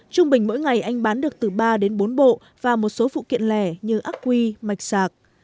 trung bình mỗi ngày anh bán được từ ba đến bốn bộ và một số phụ kiện lẻ như ác quy mạch sạc